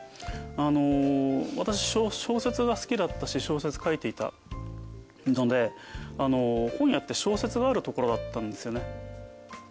あの私小説が好きだったし小説書いていたので本屋って小説がある所だったんですよね。